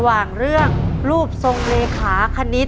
คุณยายแจ้วเลือกตอบจังหวัดนครราชสีมานะครับ